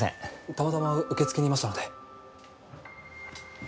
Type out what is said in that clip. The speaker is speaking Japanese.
たまたま受付にいましたので。